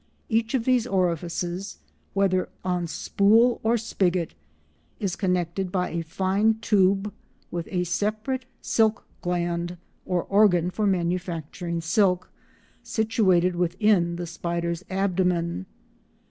Each of these orifices, whether on spool or spigot, is connected by a fine tube with a separate silk gland, or organ for manufacturing silk, situated within the spider's abdomen.